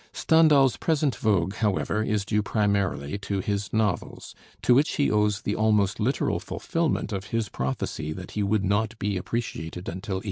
Stendhal's present vogue, however, is due primarily to his novels, to which he owes the almost literal fulfillment of his prophecy that he would not be appreciated until 1880.